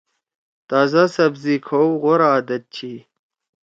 تازا سبزی کھؤ غورا عادت چھی۔